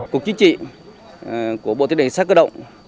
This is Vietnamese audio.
cục chính trị của bộ thứ lệnh cảnh sát cơ đồng